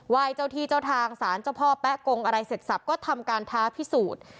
เจ้าที่เจ้าทางสารเจ้าพ่อแป๊ะกงอะไรเสร็จสับก็ทำการท้าพิสูจน์